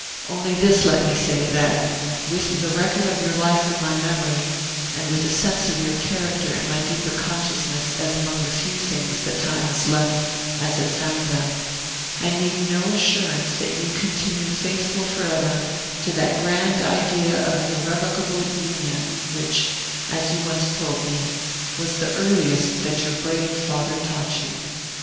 Only this let me say, that, with the record of your life in my memory, and with a sense of your character in my deeper consciousness as among the few things that time has left as it found them, I need no assurance that you continue faithful forever to that grand idea of an irrevocable Union, which, as you once told me, was the earliest that your brave father taught you.